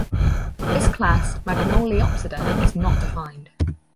This class "Magnoliopsida" is not defined.